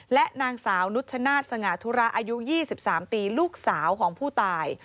และนางสาวนุชชนาธิสง่าธุระอายุ๒๓ปีลูกสาวของผู้ตาย